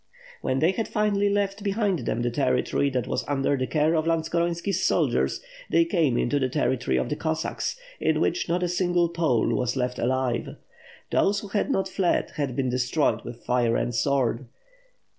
When they had finally left behind them the territory that was under the care of Lantskoronski's soldiers, they came into the territory of the Cossacks, in which not a single Pole was left alive. Those who had not fled, had been destroyed with fire and sword.